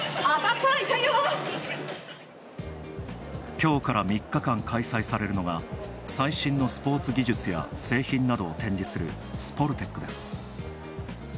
今日から３日間開催されるのが最新のスポーツ技術や製品などを展示するスポルテックです。